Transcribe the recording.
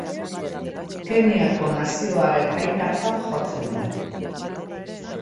Kenyako nazioaren aitatzat jotzen da.